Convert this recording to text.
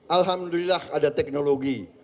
alhamdulillah ada teknologi